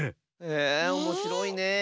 えおもしろいねえ。